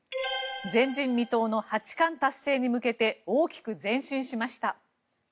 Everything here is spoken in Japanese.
前人未到の八冠達成に向けて大きく前進しました。